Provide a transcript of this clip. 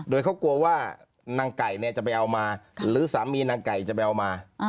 โดยเขากลัวว่านางไก่จะไปเอามาหรือสามีนางไก่จะไปเอามา